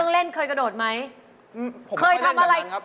เลข๕มาแล้วค่ะ